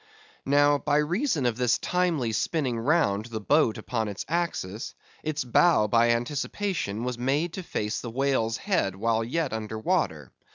Now, by reason of this timely spinning round the boat upon its axis, its bow, by anticipation, was made to face the whale's head while yet under water.